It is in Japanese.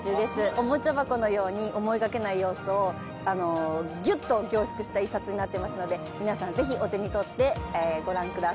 おもちゃ箱のように思いがけない様子をあのギュッと凝縮した１冊になってますので皆さんぜひお手にとってご覧ください